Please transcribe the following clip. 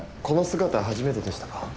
この姿初めてでしたか。